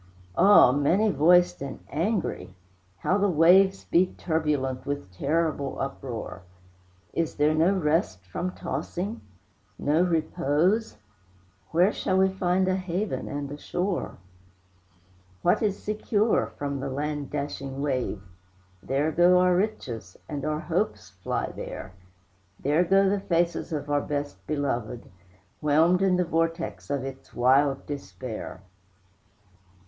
Ah, many voiced and angry! how the waves Beat turbulent with terrible uproar! Is there no rest from tossing, no repose? Where shall we find a haven and a shore? What is secure from the land dashing wave? There go our riches, and our hopes fly there; There go the faces of our best beloved, Whelmed in the vortex of its wild despair.